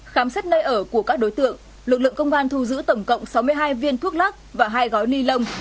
khám xét nơi ở của các đối tượng lực lượng công an thu giữ tổng cộng sáu mươi hai viên thuốc lắc và hai gói ni lông